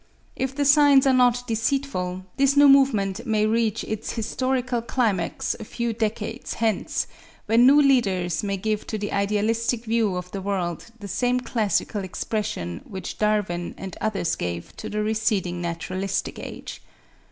If the signs are not deceitful, this new movement may reach its historical climax a few decades hence, when new leaders may give to the idealistic view of the world the same classical expression which Darwin and others gave to the receding naturalistic age.